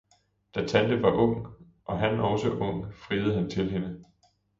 Da Tante var ung og han også ung, friede han til hende.